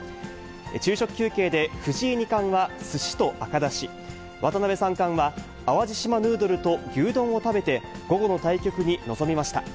昼食休憩で、藤井二冠はすしと赤だし、渡辺三冠は淡路島ぬーどると牛丼を食べて、午後の対局に臨みました。